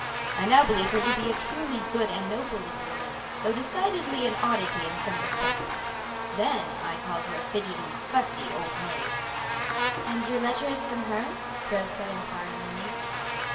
I now believe her to be a truly good and noble little woman, though decidedly an oddity in some respects. Then I called her a fidgety, fussy old maid." "And your letter is from her?" Rose said inquiringly.